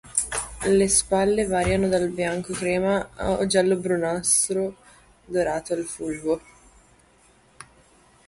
Le spalle variano dal bianco crema o giallo-brunastro dorato al fulvo.